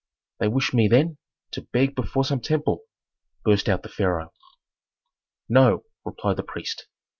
"They wish me, then, to beg before some temple!" burst out the pharaoh. "No," replied the priest.